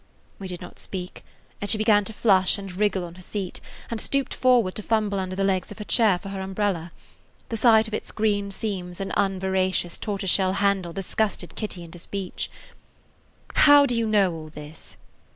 We did not speak, and she began to flush and wriggle on her seat, and stooped forward to fumble under the legs of her chair for her umbrella. The sight of its green seams and unveracious tortoiseshell handle disgusted Kitty into speech. "How do you know all this?"